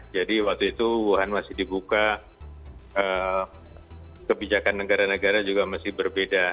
jadi waktu itu wuhan masih dibuka kebijakan negara negara juga masih berbeda